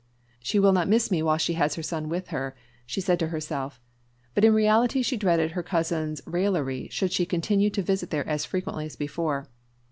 "She will not miss me while she has her son with her," said she to herself; but in reality she dreaded her cousin's raillery should she continue to visit there as frequently as before.